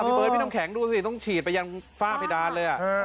เบิร์ดพี่น้ำแข็งดูสิต้องฉีดไปยังฝ้าเพดานเลย